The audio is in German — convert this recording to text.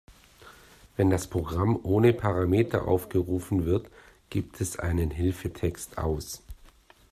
Wenn das Programm ohne Parameter aufgerufen wird, gibt es einen Hilfetext aus.